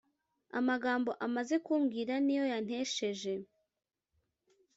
amagambo amaze kubwira niyo yantesheje